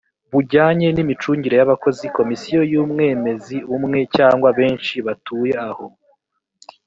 bujyanye n imicungire y abakozi komisiyo yumwemezi umwe cyangwa benshi batuye aho